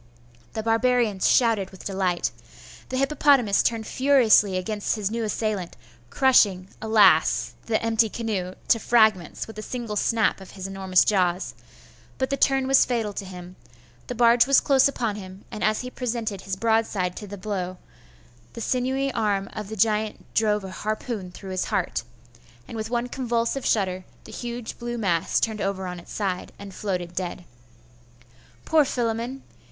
The barbarians shouted with delight. The hippopotamus turned furiously against his new assailant, crushing, alas! the empty canoe to fragments with a single snap of his enormous jaws; but the turn was fatal to him; the barge was close upon him, and as he presented his broad side to the blow, the sinewy arm of the giant drove a harpoon through his heart, and with one convulsive shudder the huge blue mass turned over on its side and floated dead. Poor Philammon!